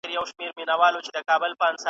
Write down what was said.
مُلا قاضي وي ملا افسر وي .